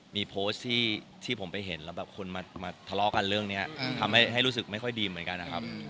มีโพสต์ที่ผมไปเห็นแล้วแบบคนมาทะเลาะกันเรื่องนี้ทำให้รู้สึกไม่ค่อยดีเหมือนกันนะครับ